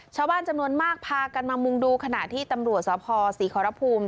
ชาวบ้านจำนวนมากพากันมามุงดูขณะที่ตำรวจสภศรีขอรภูมิ